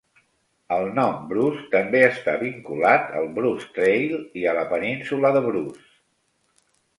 El nom Bruce també està vinculat al Bruce Trail i a la Península de Bruce.